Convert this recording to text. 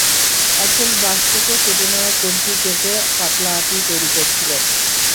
একজন বাঁশ থেকে কেটে নেওয়া কঞ্চি চেঁচে পাতলা আঁটি তৈরি করছিলেন।